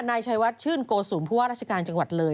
นายชัยวัดชื่นโกสุมผู้ว่าราชการจังหวัดเลย